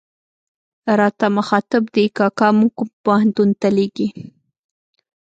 راته مخاطب دي، کاکا موږ کوم پوهنتون ته لېږې.